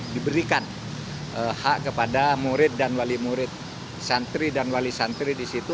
diberikan hak kepada murid dan wali murid santri dan wali santri di situ